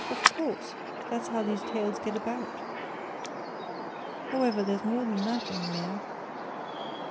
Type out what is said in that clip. "Of course, that's how these tales get about. However, there's more than that in the air."